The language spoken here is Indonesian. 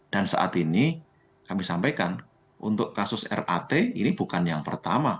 dan saat ini kami sampaikan untuk kasus rat ini bukan yang pertama